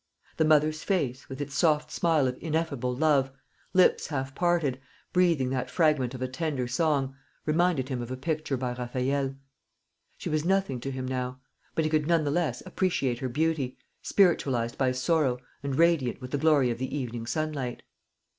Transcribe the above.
The mother's face, with its soft smile of ineffable love, lips half parted, breathing that fragment of a tender song, reminded him of a picture by Raffaelle. She was nothing to him now; but he could not the less appreciate her beauty, spiritualised by sorrow, and radiant with the glory of the evening sunlight.